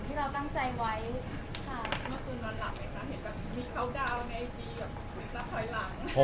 งานเป็นไปอย่างที่เราตั้งใจไว้